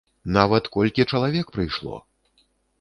Нават колькі чалавек прыйшло!